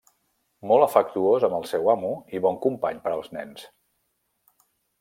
Molt afectuós amb el seu amo i bon company per als nens.